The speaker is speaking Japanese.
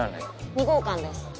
２号館です。